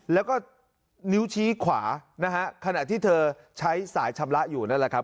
แล้วก็นิ้วชี้ขวานะฮะขณะที่เธอใช้สายชำระอยู่นั่นแหละครับ